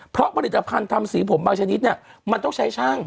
เพราะผลิตภัณฑ์ทำสีผมบางชนิดเนี่ยมันต้องใช้ช่าง